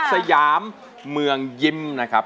สยามเมืองยิ้มนะครับ